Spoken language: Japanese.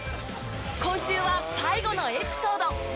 今週は最後のエピソード。